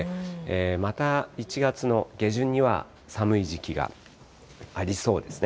また１月の下旬には、寒い時期がありそうですね。